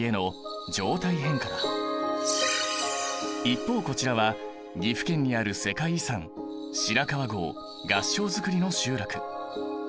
一方こちらは岐阜県にある世界遺産白川郷合掌造りの集落。